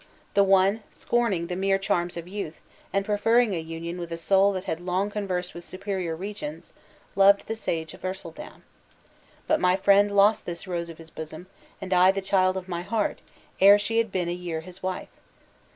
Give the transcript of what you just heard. The one, scorning the mere charms of youth, and preferring a union with a soul that had long conversed with superior regions, loved the sage of Ercildown. But my friend lost this rose of his bosom, and I the child of my heart, ere she had been a year his wife.